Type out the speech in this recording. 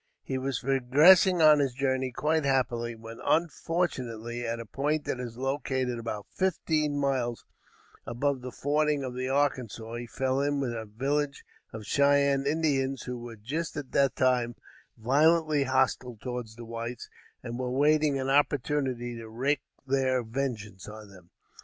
He was progressing on his journey quite happily, when unfortunately, at a point that is located about fifteen miles above the fording of the Arkansas, he fell in with a village of Cheyenne Indians who were just at that time violently hostile towards the whites and were waiting an opportunity to wreak their vengeance on them.